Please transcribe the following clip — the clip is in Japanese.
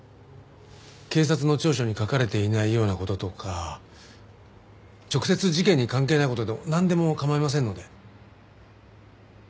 警察の調書に書かれていないような事とか直接事件に関係ない事でもなんでも構いませんので。